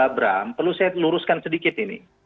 pak bram perlu saya luruskan sedikit ini